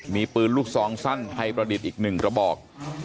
มีปืนลูกซองสั้นไทยประดิษฐ์อีก๑กระบอก